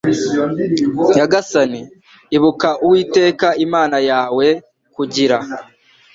nyagasani ibuka uwiteka imana yawe kugira